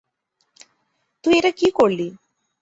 তুই এটা কি করলি?